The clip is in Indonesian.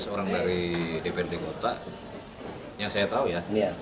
sebelas orang dari dprd kota yang saya tahu ya